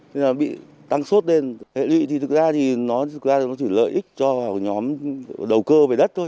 vì bị tăng sốt lên hệ lụy thì thực ra thì nó chỉ lợi ích cho nhóm đầu cơ về đất thôi